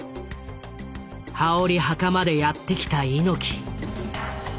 羽織袴でやって来た猪木。